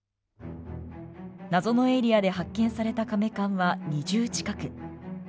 謎のエリアで発見されたかめ棺は２０近く。